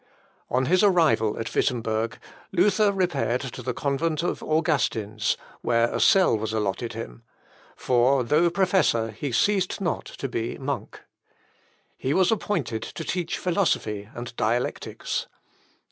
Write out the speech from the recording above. On his arrival at Wittemberg, Luther repaired to the convent of Augustins, where a cell was alloted him; for though professor, he ceased not to be monk. He was appointed to teach philosophy and dialectics.